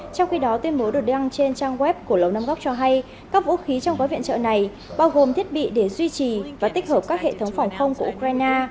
trong khi đó tuyên bố được đăng trên trang web của lầu năm góc cho hay các vũ khí trong gói viện trợ này bao gồm thiết bị để duy trì và tích hợp các hệ thống phòng không của ukraine